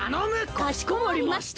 かしこまりました。